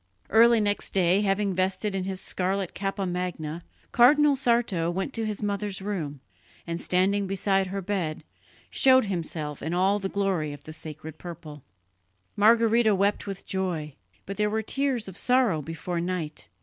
Early next day, having vested in his scarlet cappa magna, Cardinal Sarto went to his mother's room and, standing beside her bed, showed himself in all the glory of the "sacred purple." Margherita wept with joy; but there were tears of sorrow before night.